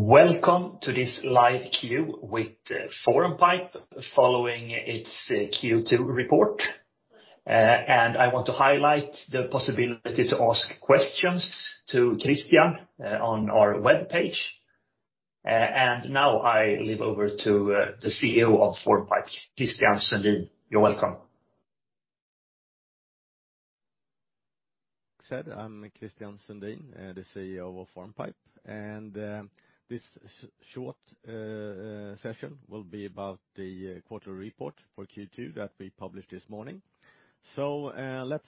Welcome to this live queue with Formpipe following its Q2 report. I want to highlight the possibility to ask questions to Christian on our webpage. I leave over to the CEO of Formpipe, Christian Sundin. You're welcome. I'm Christian Sundin, the CEO of Formpipe. This short session will be about the quarterly report for Q2 that we published this morning. Let's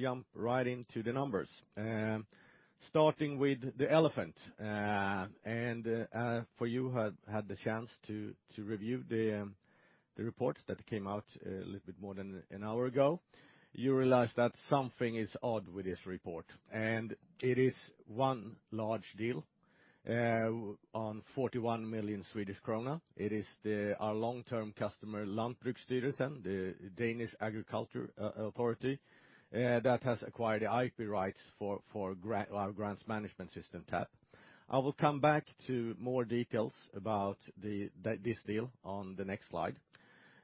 jump right into the numbers. Starting with the elephant, for you who had the chance to review the report that came out a little bit more than an hour ago, you realize that something is odd with this report, it is one large deal on 41 million Swedish krona. It is our long-term customer, Landbrugsstyrelsen, the Danish agriculture authority, that has acquired the IP rights for our grants management system, TAP. I will come back to more details about this deal on the next slide.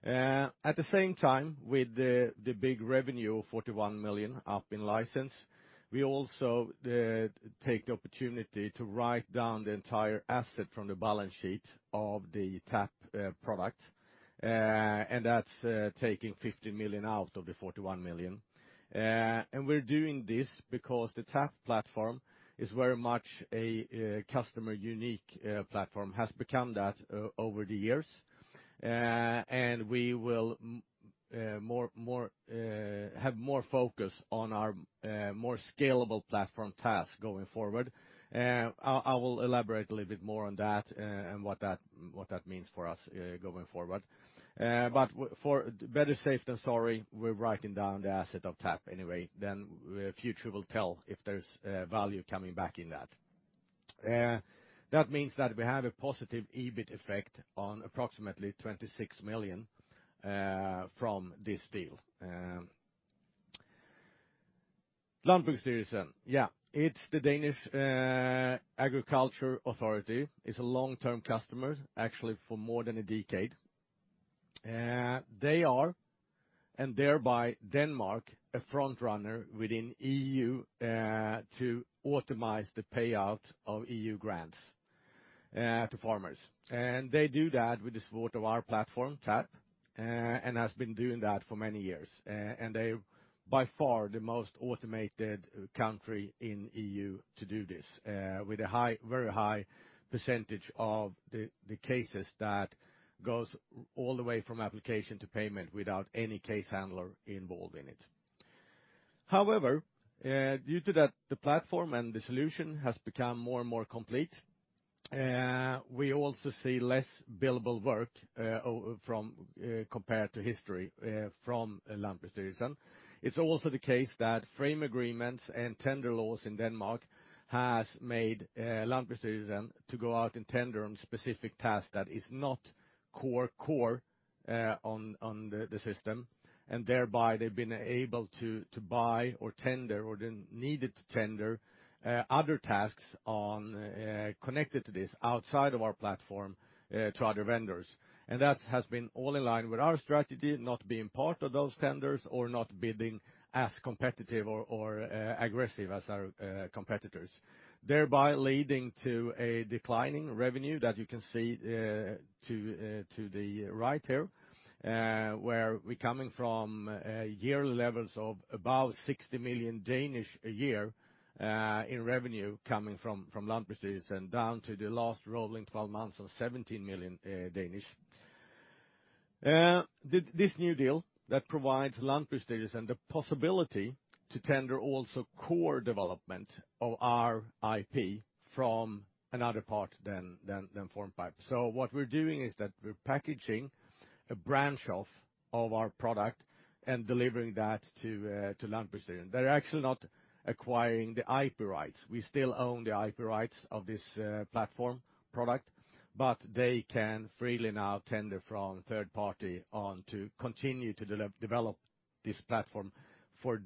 At the same time, with the big revenue of 41 million up in license, we also take the opportunity to write down the entire asset from the balance sheet of the TAP product, and that's taking 15 million out of the 41 million. We're doing this because the TAP platform is very much a customer-unique platform, has become that over the years, and we will have more focus on our more scalable platform TAS going forward. I will elaborate a little bit more on that, and what that means for us going forward. For better safe than sorry, we're writing down the asset of TAP anyway. The future will tell if there's value coming back in that. That means that we have a positive EBIT effect on approximately 26 million from this deal. Landbrugsstyrelsen. It's Landbrugsstyrelsen. It's a long-term customer, actually for more than a decade. They are, and thereby Denmark, a frontrunner within EU to automize the payout of EU grants to farmers. They do that with this mode of our platform, TAP, and has been doing that for many years. They are by far the most automated country in EU to do this, with a very high percentage of the cases that goes all the way from application to payment without any case handler involved in it. However, due to the platform and the solution has become more and more complete, we also see less billable work compared to history from Landbrugsstyrelsen. It's also the case that frame agreements and tender laws in Denmark has made Landbrugsstyrelsen to go out and tender on specific tasks that is not core on the system, and thereby they've been able to buy or tender or they needed to tender other tasks connected to this outside of our platform to other vendors. That has been all in line with our strategy, not being part of those tenders or not bidding as competitive or aggressive as our competitors. Thereby leading to a declining revenue that you can see to the right here, where we're coming from yearly levels of about 60 million a year in revenue coming from Landbrugsstyrelsen down to the last rolling 12 months of 17 million. This new deal that provides Landbrugsstyrelsen the possibility to tender also core development of our IP from another part than Formpipe. What we're doing is that we're packaging a branch-off of our product and delivering that to Landbrugsstyrelsen. They're actually not acquiring the IP rights. We still own the IP rights of this platform product, but they can freely now tender from third party on to continue to develop this platform for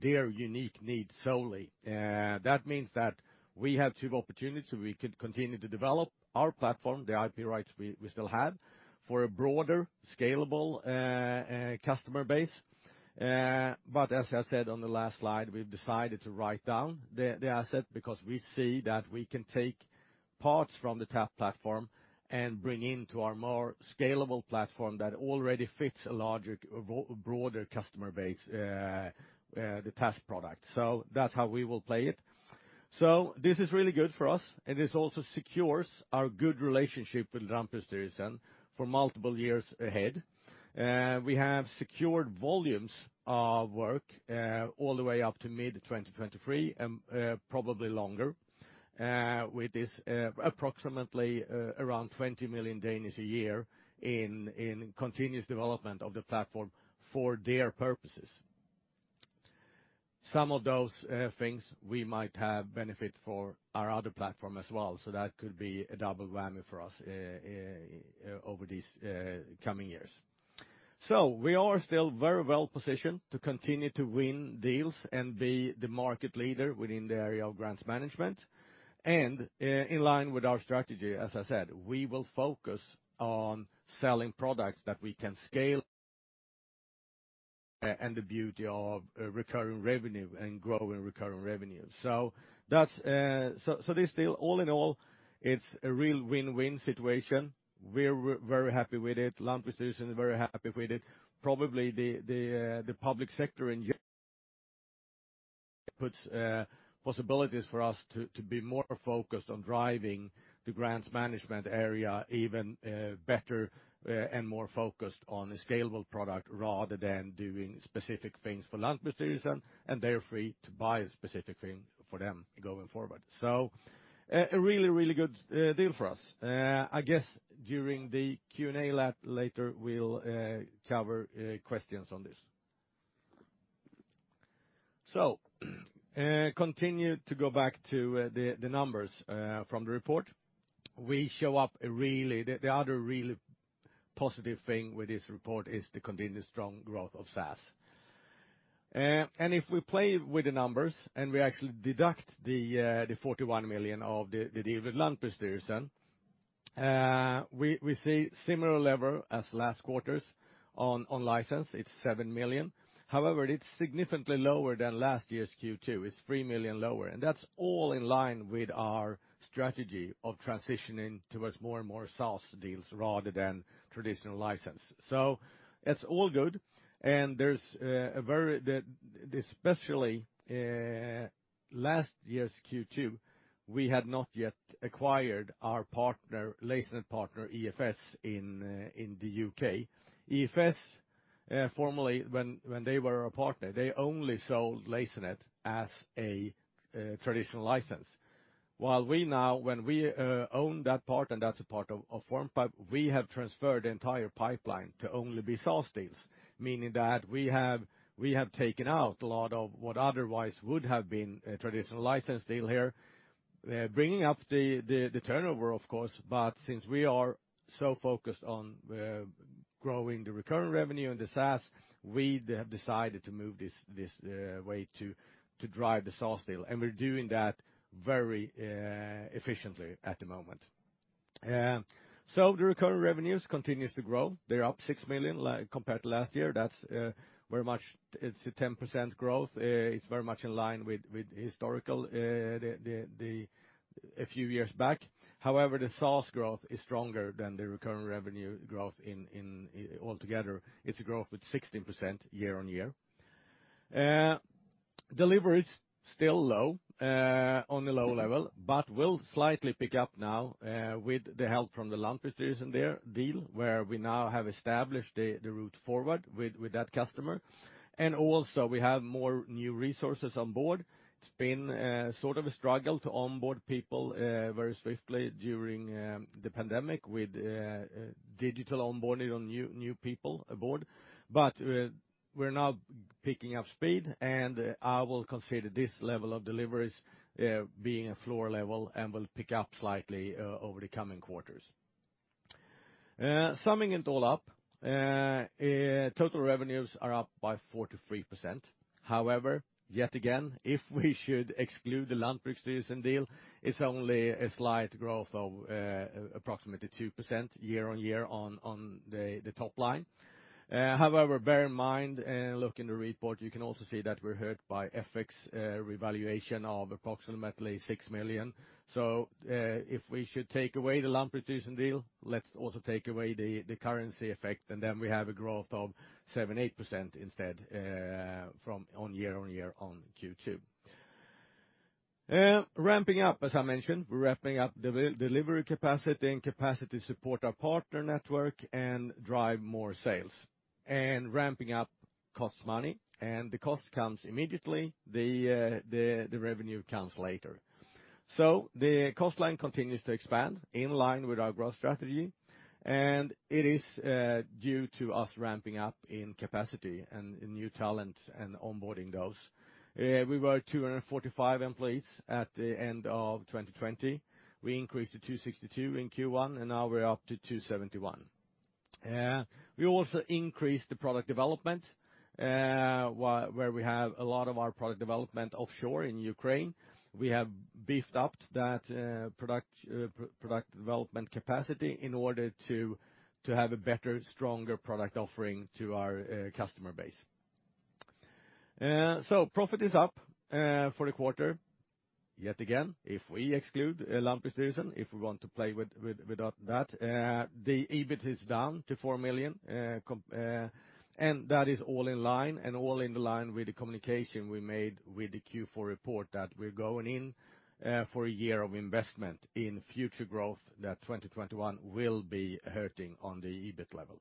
their unique needs solely. That means that we have two opportunities. We could continue to develop our platform, the IP rights we still have, for a broader, scalable customer base. As I said on the last slide, we've decided to write down the asset because we see that we can take parts from the TAP platform and bring into our more scalable platform that already fits a broader customer base, the Lasernet product. That's how we will play it. This is really good for us, and this also secures our good relationship with Landbrugsstyrelsen for multiple years ahead. We have secured volumes of work all the way up to mid-2023 and probably longer, with this approximately around 20 million a year in continuous development of the platform for their purposes. Some of those things we might have benefit for our other platform as well, so that could be a double whammy for us over these coming years. We are still very well positioned to continue to win deals and be the market leader within the area of grants management. In line with our strategy, as I said, we will focus on selling products that we can scale and the beauty of recurring revenue and growing recurring revenue. All in all, it's a real win-win situation. We're very happy with it. Lantmäteriet is very happy with it. Probably the public sector in puts possibilities for us to be more focused on driving the grants management area even better and more focused on a scalable product rather than doing specific things for Lantmäteriet, and they're free to buy a specific thing for them going forward. A really good deal for us. I guess during the Q&A later, we'll cover questions on this. Continue to go back to the numbers from the report. The other really positive thing with this report is the continued strong growth of SaaS. If we play with the numbers and we actually deduct the 41 million of the deal with Lantmäteriet, we see similar level as last quarters on license, it's 7 million. However, it's significantly lower than last year's Q2. It's 3 million lower. That's all in line with our strategy of transitioning towards more and more SaaS deals rather than traditional license. It's all good, and especially last year's Q2, we had not yet acquired our partner, Lasernet partner, EFS in the U.K. EFS, formally, when they were our partner, they only sold Lasernet as a traditional license. While we now, when we own that part, and that's a part of Formpipe, we have transferred the entire pipeline to only be SaaS deals, meaning that we have taken out a lot of what otherwise would have been a traditional license deal here, bringing up the turnover, of course. Since we are so focused on growing the recurring revenue and the SaaS, we have decided to move this way to drive the SaaS deal. We're doing that very efficiently at the moment. The recurring revenues continues to grow. They're up 6 million compared to last year. It's a 10% growth. It's very much in line with historical a few years back. However, the SaaS growth is stronger than the recurring revenue growth altogether. It's a growth with 16% year-on-year. Deliveries, still low, on a low level, but will slightly pick up now with the help from the Lantmäteriet deal, where we now have established the route forward with that customer. Also, we have more new resources on board. It's been sort of a struggle to onboard people very swiftly during the pandemic with digital onboarding on new people aboard. We're now picking up speed, and I will consider this level of deliveries being a floor level and will pick up slightly over the coming quarters. Summing it all up, total revenues are up by 43%. Yet again, if we should exclude the Lantmäteriet deal, it's only a slight growth of approximately 2% year-on-year on the top line. Bear in mind, look in the report, you can also see that we're hurt by FX revaluation of approximately 6 million. If we should take away the Lantmäteriet deal, let's also take away the currency effect, and then we have a growth of 78% instead on year-on-year on Q2. Ramping up, as I mentioned, we're ramping up delivery capacity and capacity to support our partner network and drive more sales. Ramping up costs money, and the cost comes immediately, the revenue comes later. The cost line continues to expand in line with our growth strategy, and it is due to us ramping up in capacity and in new talent and onboarding those. We were 245 employees at the end of 2020. We increased to 262 in Q1, and now we're up to 271. We also increased the product development, where we have a lot of our product development offshore in Ukraine. We have beefed up that product development capacity in order to have a better, stronger product offering to our customer base. Profit is up for the quarter. Yet again, if we exclude Lantmäteriet, if we want to play with that, the EBIT is down to 4 million. That is all in line, and all in the line with the communication we made with the Q4 report that we're going in for a year of investment in future growth that 2021 will be hurting on the EBIT level.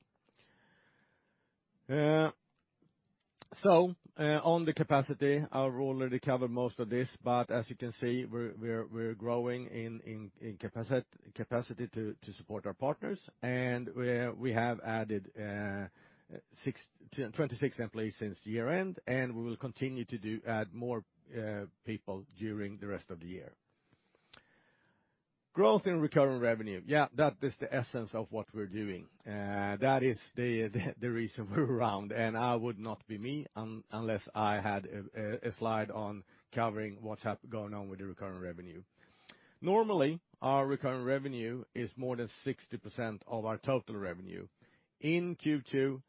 On the capacity, I've already covered most of this, but as you can see, we're growing in capacity to support our partners. We have added 26 employees since year-end, and we will continue to add more people during the rest of the year. Growth and recurring revenue. That is the essence of what we're doing. That is the reason we're around, and I would not be me unless I had a slide on covering what's going on with the recurring revenue. Normally, our recurring revenue is more than 60% of our total revenue. In Q2,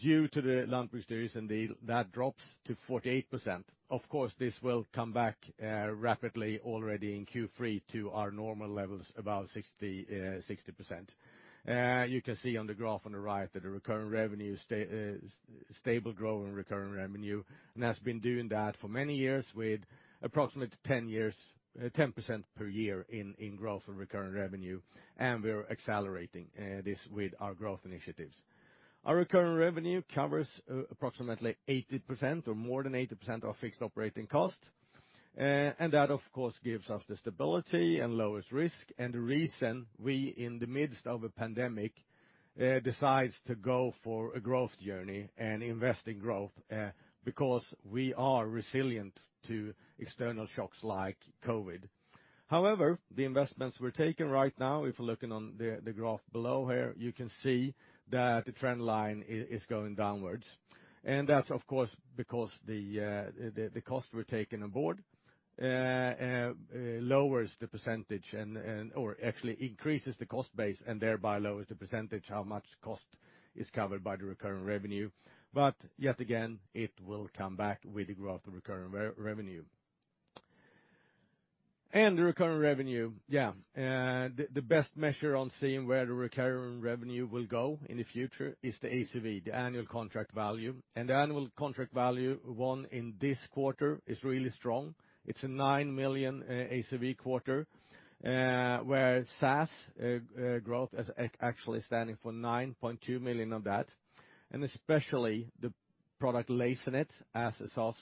due to the Lundbeck Studios deal, that drops to 48%. Of course, this will come back rapidly already in Q3 to our normal levels, about 60%. You can see on the graph on the right that the recurring revenue is stable growth in recurring revenue, and has been doing that for many years with approximately 10% per year in growth and recurring revenue. We're accelerating this with our growth initiatives. Our recurring revenue covers approximately 80% or more than 80% of fixed operating costs. That of course, gives us the stability and lowest risk and the reason we, in the midst of a pandemic, decide to go for a growth journey and invest in growth, because we are resilient to external shocks like COVID. However, the investments we're taking right now, if you're looking on the graph below here, you can see that the trend line is going downwards. That's of course, because the cost we're taking on board lowers the percentage, or actually increases the cost base and thereby lowers the percentage how much cost is covered by the recurring revenue. Yet again, it will come back with the growth of recurring revenue. Recurring revenue. Yeah. The best measure on seeing where the recurring revenue will go in the future is the ACV, the annual contract value. The annual contract value won in this quarter is really strong. It's a 9 million ACV quarter, where SaaS growth is actually standing for 9.2 million of that. Especially the product Lasernet as a SaaS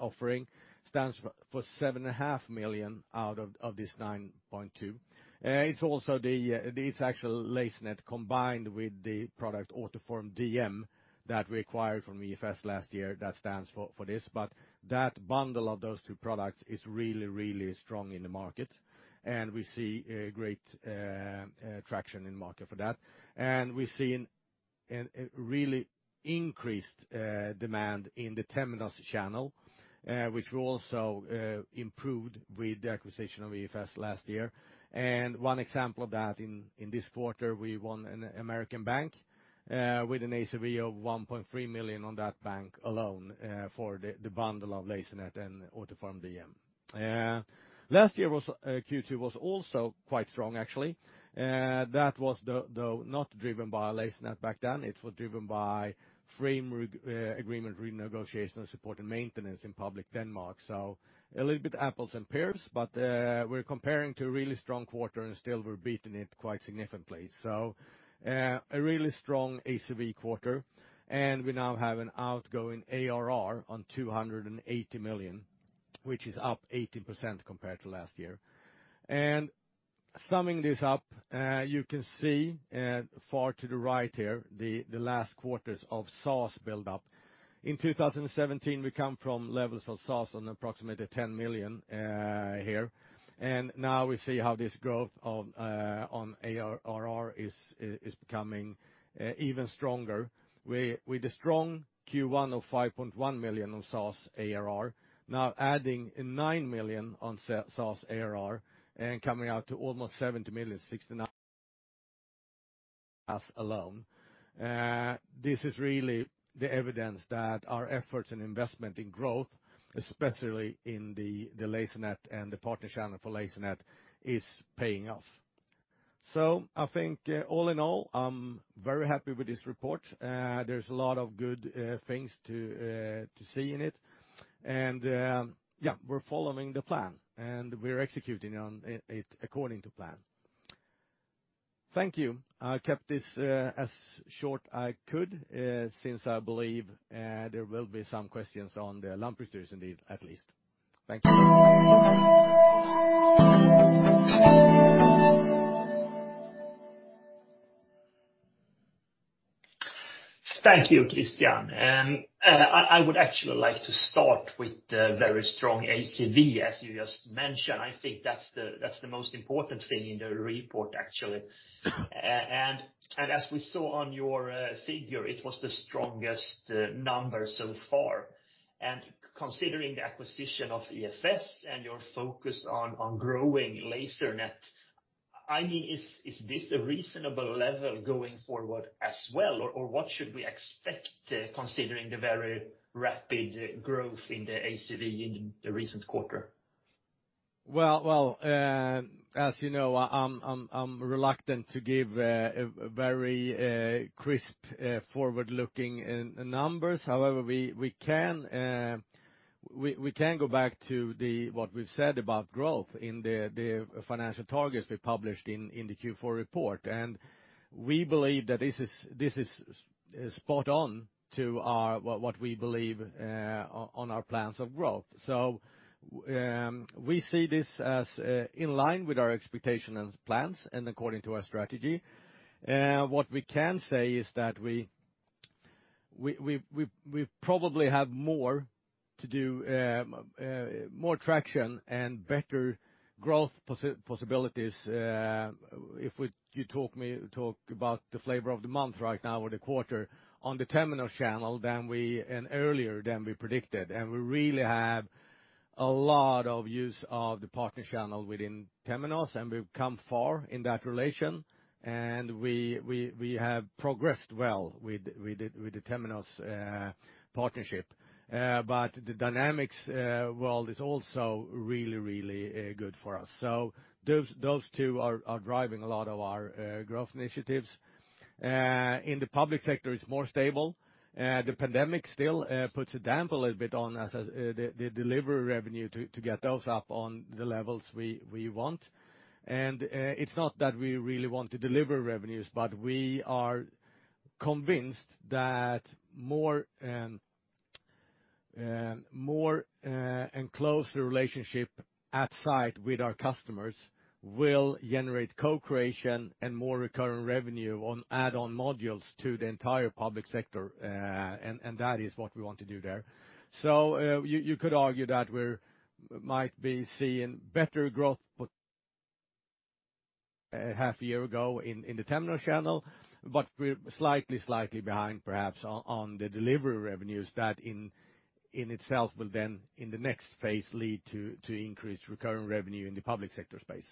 offering stands for seven and a half million out of this 9.2. It's actually Lasernet combined with the product Autoform DM that we acquired from EFS last year that stands for this, but that bundle of those two products is really strong in the market, and we see a great traction in market for that. We've seen a really increased demand in the Temenos channel, which we also improved with the acquisition of EFS last year. One example of that, in this quarter, we won an American bank, with an ACV of 1.3 million on that bank alone for the bundle of Lasernet and Autoform DM. Last year, Q2 was also quite strong actually. That was though not driven by Lasernet back then. It was driven by frame agreement renegotiation and support and maintenance in public Denmark. A little bit apples and pears, but we're comparing to a really strong quarter and still we're beating it quite significantly. A really strong ACV quarter, and we now have an outgoing ARR on 280 million, which is up 18% compared to last year. Summing this up, you can see far to the right here, the last quarters of SaaS buildup. In 2017, we come from levels of SaaS on approximately 10 million here. Now we see how this growth on ARR is becoming even stronger. With a strong Q1 of 5.1 million on SaaS ARR, now adding 9 million on SaaS ARR and coming out to almost 70 million, 69 million alone. This is really the evidence that our efforts and investment in growth, especially in the Lasernet and the partner channel for Lasernet, is paying off. I think all in all, I'm very happy with this report. There's a lot of good things to see in it. We're following the plan, and we're executing on it according to plan. Thank you. I kept this as short as I could, since I believe there will be some questions on the Lundbeck Studios deal at least. Thank you. Thank you, Christian. I would actually like to start with the very strong ACV, as you just mentioned. I think that's the most important thing in the report, actually. As we saw on your figure, it was the strongest number so far. Considering the acquisition of EFS and your focus on growing Lasernet, is this a reasonable level going forward as well? What should we expect, considering the very rapid growth in the ACV in the recent quarter? Well, as you know, I'm reluctant to give very crisp, forward-looking numbers. However, we can go back to what we've said about growth in the financial targets we published in the Q4 report. We believe that this is spot on to what we believe on our plans of growth. We see this as in line with our expectations and plans and according to our strategy. What we can say is that we probably have more to do, more traction and better growth possibilities. If you talk about the flavor of the month right now or the quarter on the Temenos channel, than we in earlier than we predicted. We really have a lot of use of the partner channel within Temenos, and we've come far in that relation, and we have progressed well with the Temenos partnership. The Dynamics world is also really good for us. Those two are driving a lot of our growth initiatives. In the public sector, it's more stable. The pandemic still puts a damper a little bit on the delivery revenue to get those up on the levels we want. It's not that we really want the delivery revenues, but we are convinced that more and closer relationship at site with our customers will generate co-creation and more recurring revenue on add-on modules to the entire public sector. That is what we want to do there. You could argue that we might be seeing better growth potential half a year ago in the Temenos channel, but we're slightly behind perhaps on the delivery revenues that in itself will then in the next phase lead to increased recurring revenue in the public sector space.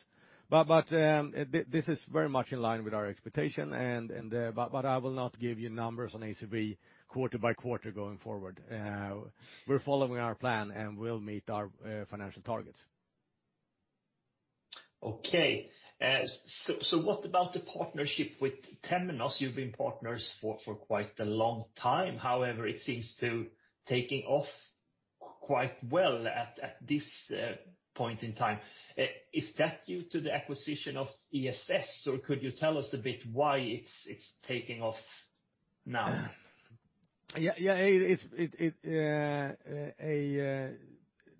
This is very much in line with our expectation. I will not give you numbers on ACV quarter by quarter going forward. We're following our plan, and we'll meet our financial targets. Okay. What about the partnership with Temenos? You've been partners for quite a long time. However, it seems to taking off quite well at this point in time. Is that due to the acquisition of EFS, or could you tell us a bit why it's taking off now? Yeah.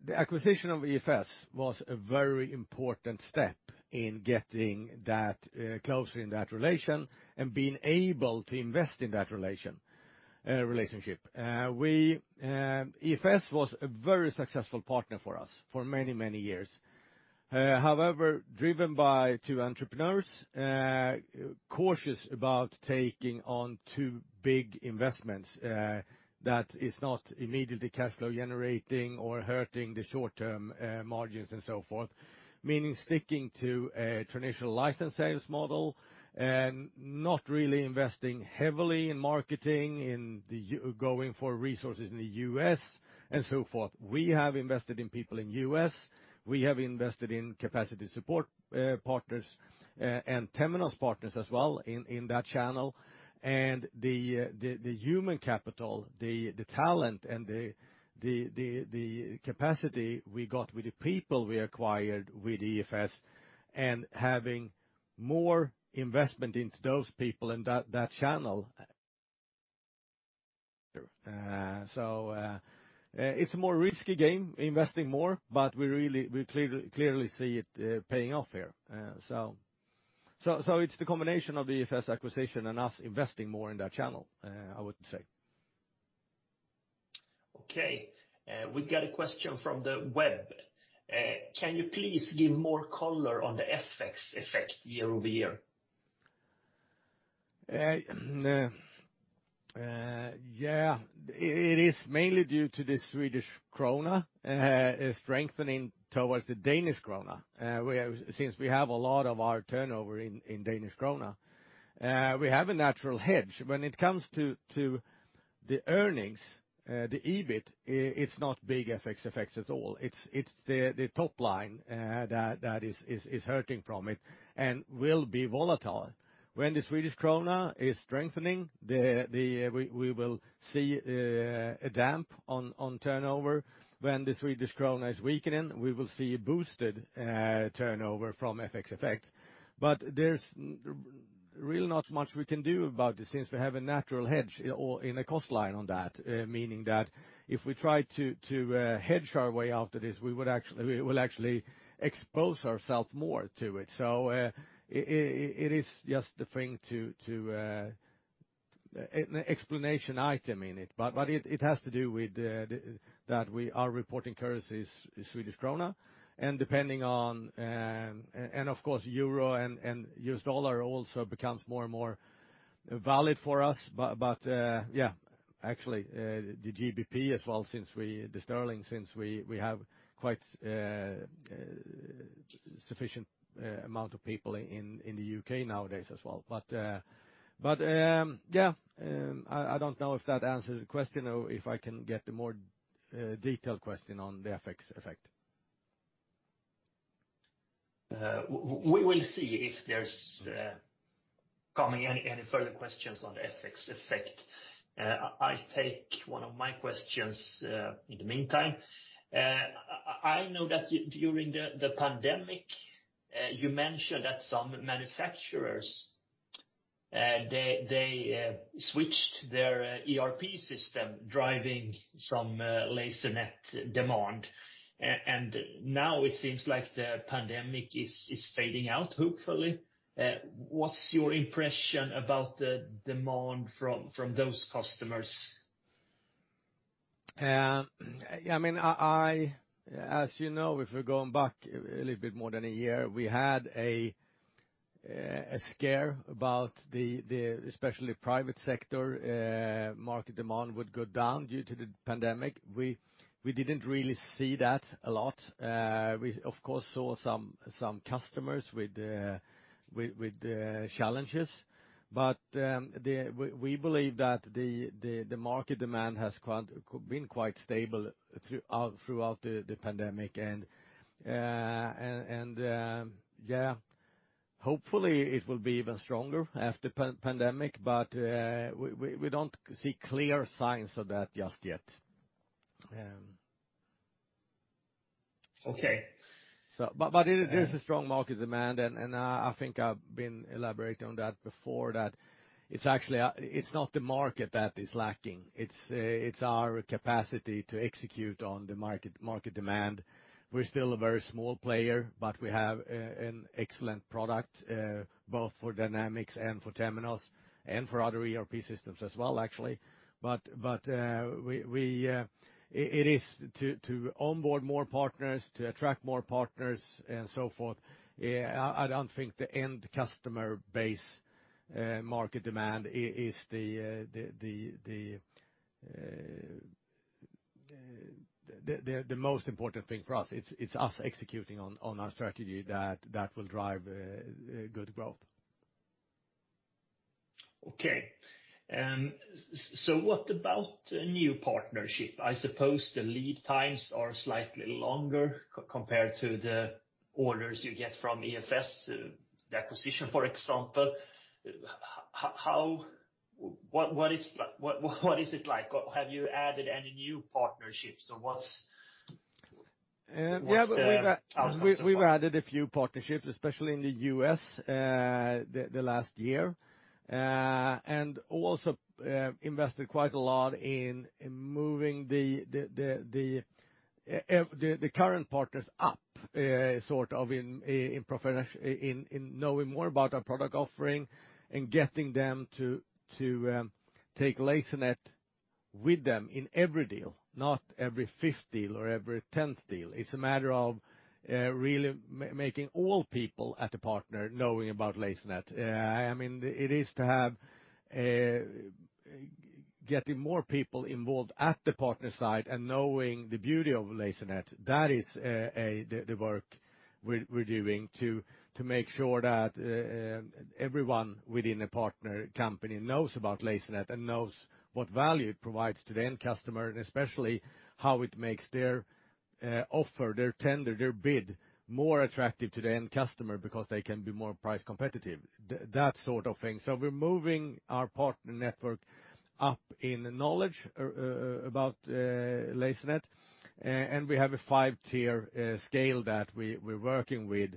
The acquisition of EFS was a very important step in getting that closer in that relation and being able to invest in that relationship. EFS was a very successful partner for us for many years. However, driven by two entrepreneurs, cautious about taking on two big investments that is not immediately cash flow generating or hurting the short-term margins and so forth, meaning sticking to a traditional license sales model, not really investing heavily in marketing, in going for resources in the U.S. and so forth. We have invested in people in U.S., we have invested in capacity support partners and Temenos partners as well in that channel. The human capital, the talent and the capacity we got with the people we acquired with EFS and having more investment into those people in that channel. It's a more risky game, investing more, but we clearly see it paying off here. It's the combination of the EFS acquisition and us investing more in that channel, I would say. Okay. We got a question from the web. Can you please give more color on the FX effect year-over-year? Yeah. It is mainly due to the Swedish krona strengthening towards the Danish krona. Since we have a lot of our turnover in Danish krona, we have a natural hedge. When it comes to the earnings, the EBIT, it's not big FX effects at all. It's the top line that is hurting from it and will be volatile. When the Swedish krona is strengthening, we will see a damp on turnover. When the Swedish krona is weakening, we will see a boosted turnover from FX effect. There's really not much we can do about this since we have a natural hedge in a cost line on that. Meaning that if we try to hedge our way out of this, we will actually expose ourselves more to it. It is just a thing to explanation item in it. it has to do with that we are reporting currency is Swedish krona, and of course, euro and U.S. dollar also becomes more and more valid for us. yeah. Actually, the GBP as well, the sterling, since we have quite sufficient amount of people in the U.K. nowadays as well. yeah. I don't know if that answered the question or if I can get a more detailed question on the FX effect. We will see if there's coming any further questions on the FX effect. I take one of my questions in the meantime. I know that during the pandemic, you mentioned that some manufacturers, they switched their ERP system driving some Lasernet demand. Now it seems like the pandemic is fading out, hopefully. What's your impression about the demand from those customers? As you know, if we're going back a little bit more than a year, we had a scare about especially private sector market demand would go down due to the pandemic. We didn't really see that a lot. We, of course, saw some customers with challenges. We believe that the market demand has been quite stable throughout the pandemic, and hopefully it will be even stronger after pandemic, but we don't see clear signs of that just yet. Okay. There is a strong market demand, and I think I've been elaborating on that before, that it's not the market that is lacking. It's our capacity to execute on the market demand. We're still a very small player, but we have an excellent product, both for Dynamics and for Temenos, and for other ERP systems as well actually. It is to onboard more partners, to attract more partners and so forth. I don't think the end customer base market demand is the most important thing for us. It's us executing on our strategy that will drive good growth. Okay. What about new partnership? I suppose the lead times are slightly longer compared to the orders you get from EFS, the acquisition, for example. What is it like? Have you added any new partnerships, or what's the outcomes of that? We've added a few partnerships, especially in the U.S., the last year. Also invested quite a lot in moving the current partners up in knowing more about our product offering, and getting them to take Lasernet with them in every deal, not every fifth deal or every 10th deal. It's a matter of really making all people at the partner knowing about Lasernet. It is to have getting more people involved at the partner side and knowing the beauty of Lasernet. That is the work we're doing to make sure that everyone within a partner company knows about Lasernet and knows what value it provides to the end customer. Especially how it makes their offer, their tender, their bid more attractive to the end customer because they can be more price competitive, that sort of thing. We're moving our partner network up in knowledge about Lasernet. We have a 5-tier scale that we're working with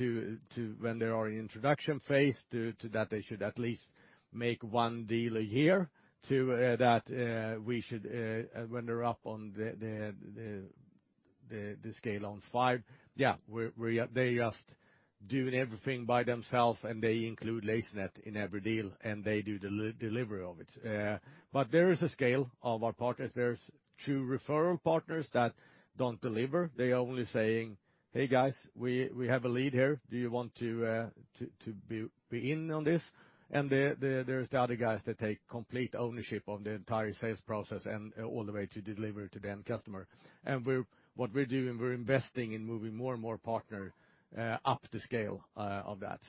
when they are in introduction phase, to that they should at least make one deal a year. To that, when they're up on the scale on 5, they're just doing everything by themselves, and they include Lasernet in every deal, and they do delivery of it. There is a scale of our partners. There's two referral partners that don't deliver. They are only saying, "Hey, guys, we have a lead here. Do you want to be in on this?" There's the other guys that take complete ownership of the entire sales process and all the way to deliver to the end customer. What we're doing, we're investing in moving more and more partner up the scale of that.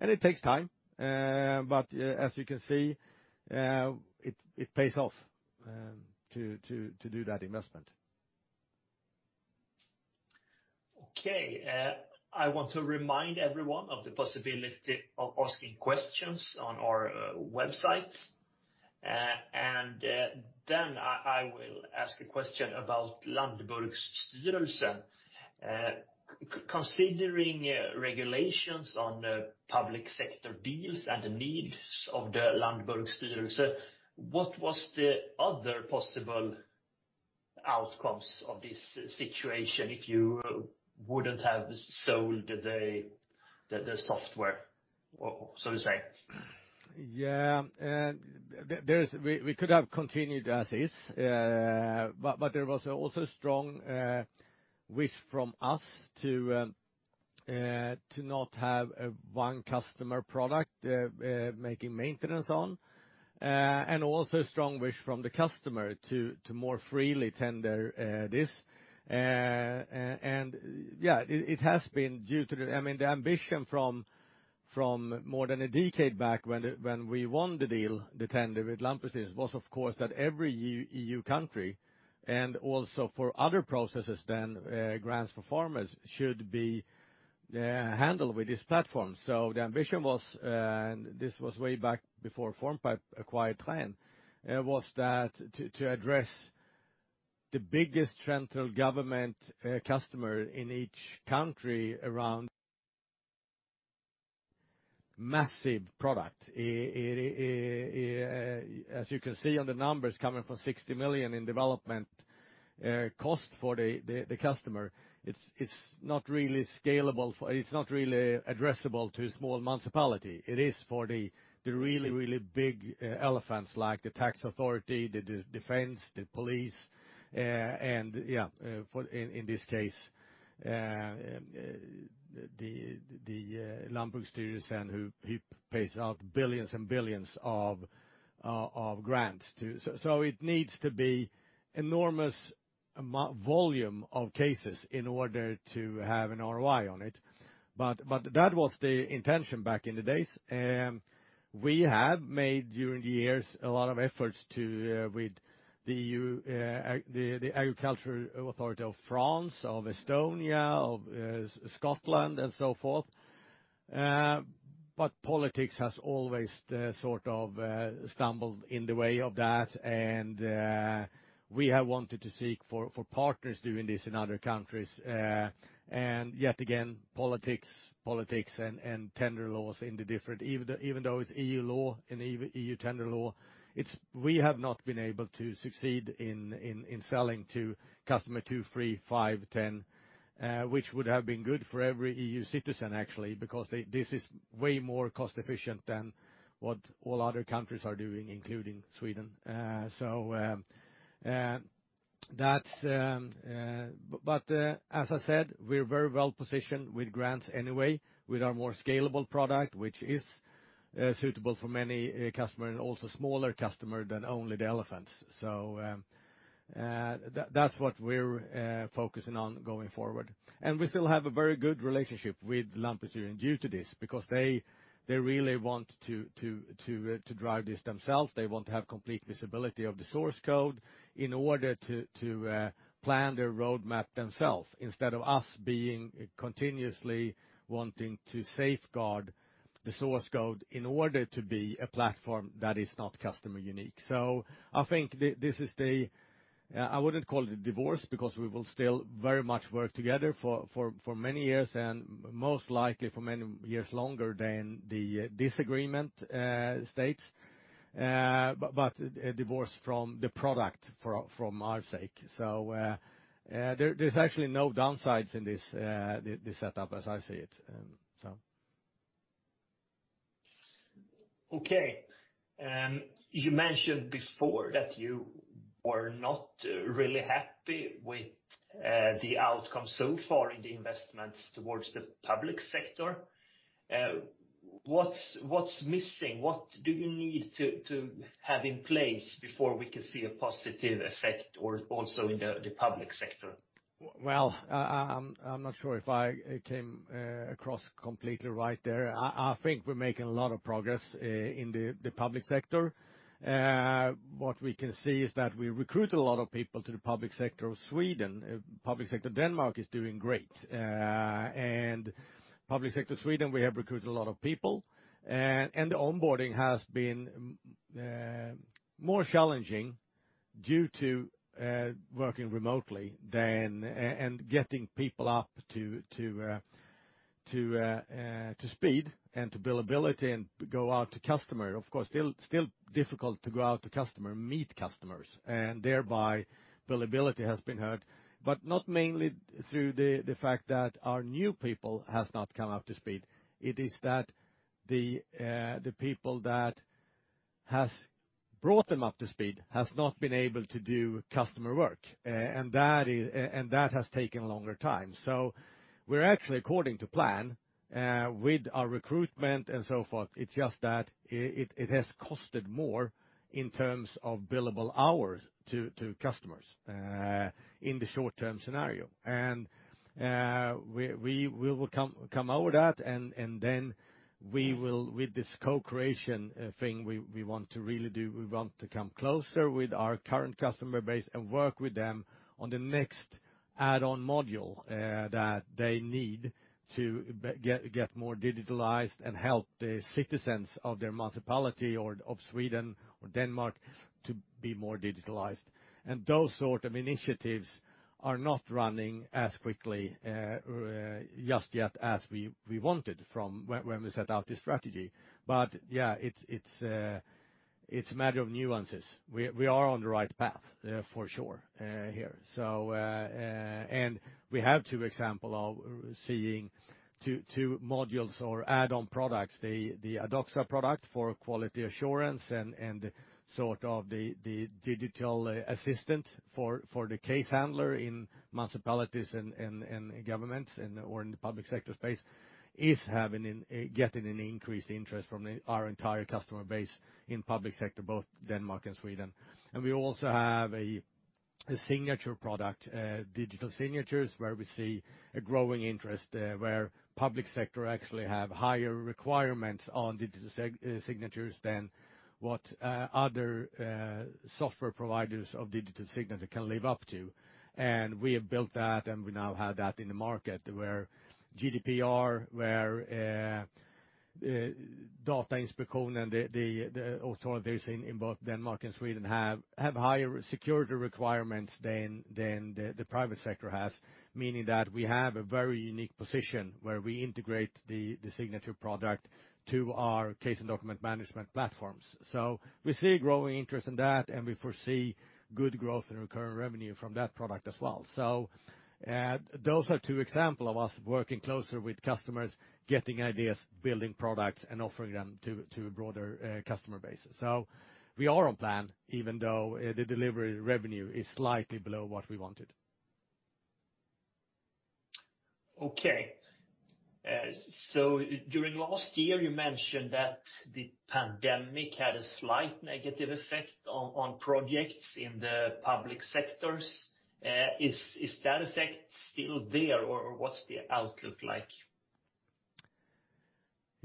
It takes time, but as you can see, it pays off to do that investment. Okay. I want to remind everyone of the possibility of asking questions on our website. I will ask a question about Landbrugsstyrelsen. Considering regulations on public sector deals and the needs of the Landbrugsstyrelsen, what was the other possible outcomes of this situation if you wouldn't have sold the software, so to say? We could have continued as is. There was also strong wish from us to not have a one-customer product, making maintenance on. Also a strong wish from the customer to more freely tender this. It has been due to the ambition from more than a decade back when we won the deal, the tender with Landbrugsstyrelsen, was, of course, that every EU country, and also for other processes than grants for farmers, should be handled with this platform. The ambition was, this was way back before Formpipe acquired Traen, was that to address the biggest central government customer in each country around massive product. As you can see on the numbers coming from 60 million in development cost for the customer. It's not really scalable, it's not really addressable to a small municipality. It is for the really, really big elephants like the tax authority, the defense, the police, and in this case, the number of cities who pays out billions and billions of grants. So it needs to be enormous volume of cases in order to have an ROI on it. But that was the intention back in the days. We have made during the years a lot of efforts to with the agriculture authority of France, of Estonia, of Scotland, and so forth. But politics has always sort of stumbled in the way of that. And we have wanted to seek for partners doing this in other countries. And yet again, politics, politics and tender laws in the different, even though it's EU law and EU tender law, we have not been able to succeed in in selling to customer 2, 3, 5, 10, which would have been good for every EU citizen, actually, because this is way more cost efficient than what all other countries are doing, including Sweden. So that's, but as I said, we're very well positioned with grants anyway. We have a more scalable product, which is suitable for many customers and also smaller customers than only the elephants. So that's what we're focusing on going forward. And we still have a very good relationship with Lampedusa due to this because they really want to drive this themselves. They want to have complete visibility of the source code in order to plan their roadmap themselves instead of us being continuously wanting to safeguard the source code in order to be a platform that is not customer unique. So I think this is the, I wouldn't call it a divorce because we will still very much work together for many years and most likely for many years longer than the disagreement states. But a divorce from the product from our side, so there's actually no downsides in this setup as I see it. Okay, you mentioned before that you were not really happy with the outcome so far in the investments towards the public sector. What's missing? What do you need to have in place before we can see a positive effect also in the public sector? Well, I'm not sure if I came across completely right there. I think we're making a lot of progress in the public sector. What we can see is that we recruit a lot of people to the public sector of Sweden. Public sector Denmark is doing great. Public sector Sweden, we have recruited a lot of people, and the onboarding has been more challenging due to working remotely, and getting people up to speed and to billability, and to go out to customer. Of course, still difficult to go out to customer, meet customers, and thereby billability has been hurt, but not mainly through the fact that our new people has not come up to speed. It is that the people that has brought them up to speed has not been able to do customer work. That has taken a longer time. We're actually according to plan with our recruitment and so forth. It's just that it has costed more in terms of billable hours to customers in the short-term scenario. We will come out with that, and then we will, with this co-creation thing, we want to really do, we want to come closer with our current customer base and work with them on the next add-on module that they need to get more digitalized and help the citizens of their municipality or of Sweden or Denmark to be more digitalized. Those sort of initiatives are not running as quickly just yet as we wanted from when we set out this strategy. Yeah, it's a matter of nuances. We are on the right path, for sure here. We have two example of seeing two modules or add-on products, the Adoxa product for quality assurance and sort of the digital assistant for the case handler in municipalities and governments or in the public sector space is getting an increased interest from our entire customer base in public sector, both Denmark and Sweden. We also have a signature product, digital signatures, where we see a growing interest there, where public sector actually have higher requirements on digital signatures than what other software providers of digital signature can live up to. we have built that, and we now have that in the market where GDPR, where Datainspektionen, the authorities in both Denmark and Sweden have higher security requirements than the private sector has, meaning that we have a very unique position where we integrate the signature product to our case and document management platforms. We see growing interest in that, and we foresee good growth in recurring revenue from that product as well. Those are two examples of us working closer with customers, getting ideas, building products, and offering them to a broader customer base. We are on plan, even though the delivery revenue is slightly below what we wanted. Okay. During last year, you mentioned that the pandemic had a slight negative effect on projects in the public sectors. Is that effect still there, or what's the outlook like?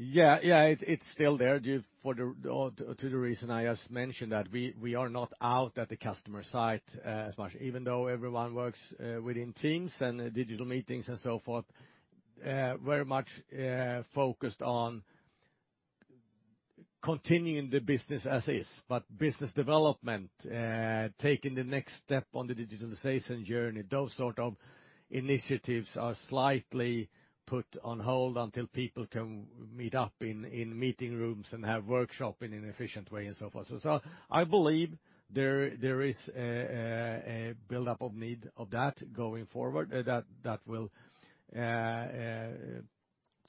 Yeah. It's still there due to the reason I just mentioned that we are not out at the customer site as much, even though everyone works within Teams and digital meetings and so forth, very much focused on continuing the business as is. Business development, taking the next step on the digitalization journey, those sort of initiatives are slightly put on hold until people can meet up in meeting rooms and have workshop in an efficient way and so forth. I believe there is a buildup of need of that going forward that will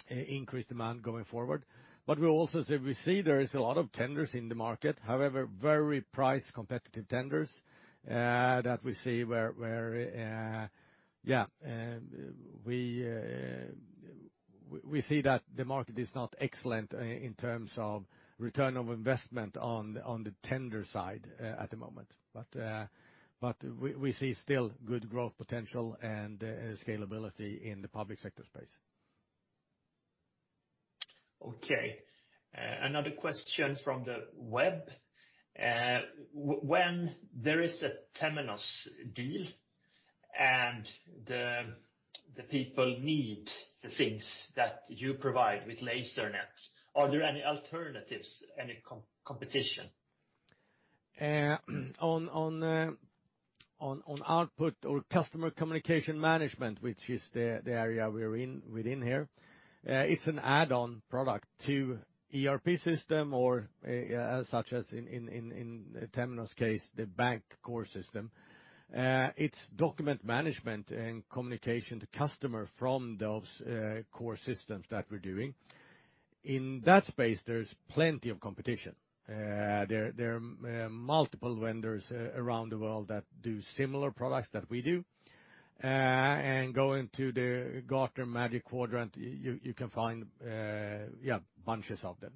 increase demand going forward. We also see there is a lot of tenders in the market. However, very price competitive tenders that we see where we see that the market is not excellent in terms of return on investment on the tender side at the moment. We see still good growth potential and scalability in the public sector space. Okay. Another question from the web. When there is a Temenos deal, and the people need the things that you provide with Lasernet, are there any alternatives, any competition? On output or customer communication management, which is the area we're in within here, it's an add-on product to ERP system, or such as in Temenos case, the bank core system. It's document management and communication to customer from those core systems that we're doing. In that space, there's plenty of competition. There are multiple vendors around the world that do similar products that we do. Going to the Gartner Magic Quadrant, you can find bunches of them.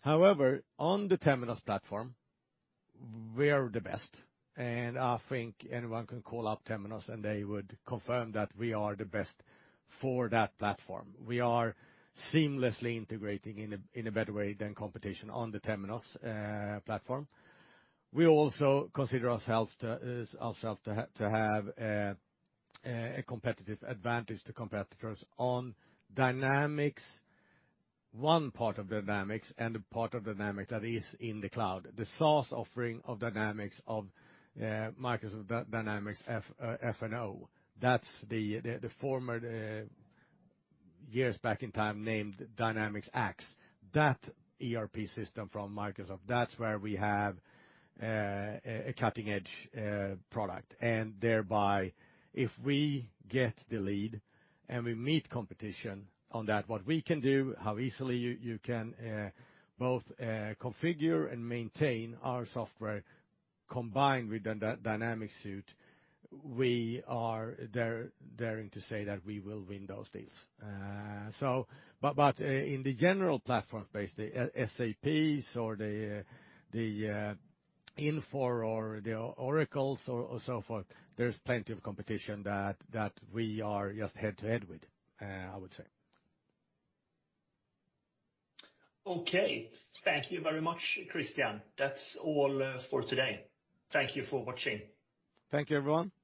However, on the Temenos platform, we're the best, and I think anyone can call up Temenos, and they would confirm that we are the best for that platform. We are seamlessly integrating in a better way than competition on the Temenos platform. We also consider ourselves to have a competitive advantage to competitors on Dynamics, one part of Dynamics, and the part of Dynamics that is in the cloud, the SaaS offering of Dynamics of Microsoft Dynamics F&O. That's the former, years back in time, named Dynamics AX. That ERP system from Microsoft, that's where we have a cutting-edge product. Thereby, if we get the lead and we meet competition on that, what we can do, how easily you can both configure and maintain our software combined with the Dynamics suite, we are daring to say that we will win those deals. In the general platform space, the SAPs or the Infor or the Oracles or so forth, there's plenty of competition that we are just head-to-head with, I would say. Okay. Thank you very much, Christian. That's all for today. Thank you for watching. Thank you, everyone. Thanks.